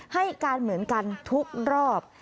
ให้การเหมือนกันทุกรอบ